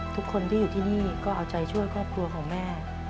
ทุกคนที่อยู่ที่นี่ก็เอาใจช่วยครอบครัวของแม่